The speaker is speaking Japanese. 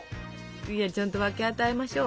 いやちゃんと分け与えましょう。